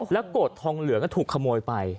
แล้วก็กรดทองเหลือก็ถูกขโมยไป